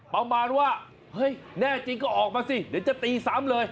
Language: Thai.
ประมาณว่าเฮ้ยแน่จริงก็ออกมาสิเดี๋ยวจะตีซ้ำเลย